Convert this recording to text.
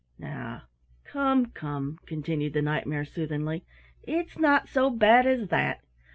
"Now, come, come," continued the Knight mare soothingly, "it's not so bad as that.